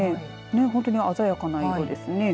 本当に鮮やかな色ですね。